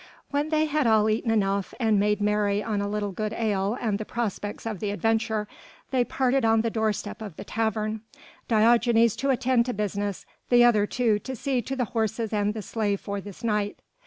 When they had all eaten enough and made merry on a little good ale and the prospects of the adventure, they parted on the doorstep of the tavern, Diogenes to attend to business, the other two to see to the horses and the sleigh for this night.